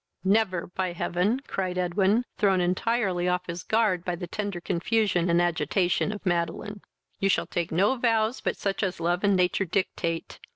"Never, by heaven! (cried Edwin, thrown entirely off his guard by the tender confusion and agitation of Madeline:) you shall take no vows but such as love and nature dictate.